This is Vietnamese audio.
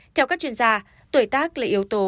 theo các chuyên gia tuổi tác là yếu tố